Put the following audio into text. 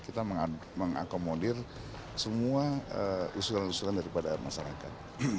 kita mengakomodir semua usulan usulan daripada masyarakat